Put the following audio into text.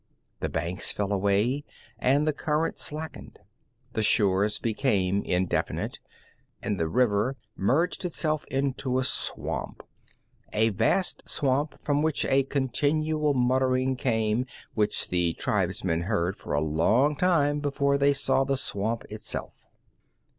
The banks fell away, and the current slackened. The shores became indefinite, and the river merged itself into a swamp, a vast swamp from which a continual muttering came which the tribesmen heard for a long time before they saw the swamp itself.